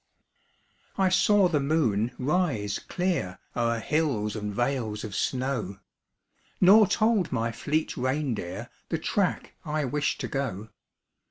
I saw the moon rise clear O'er hills and vales of snow Nor told my fleet reindeer The track I wished to go.